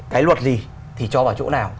cái luật gì thì cho vào chỗ nào